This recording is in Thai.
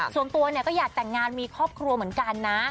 ส่วนตัวเนี่ยก็อยากแต่งงานมีครอบครัวเหมือนกันนะ